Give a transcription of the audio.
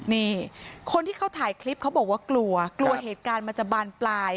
นี่คนที่เขาถ่ายคลิปเขาบอกว่ากลัวกลัวเหตุการณ์มันจะบานปลาย